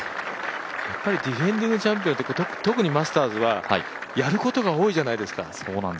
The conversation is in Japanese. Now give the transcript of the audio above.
やっぱりディフェンディングチャンピオンっていうのは特にマスターズはやることが多いじゃないですか。